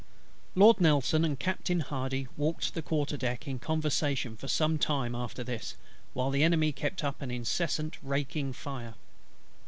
LORD NELSON and Captain HARDY walked the quarter deck in conversation for some time after this, while the Enemy kept up an incessant raking fire.